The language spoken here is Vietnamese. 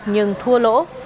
nhưng thua lỗ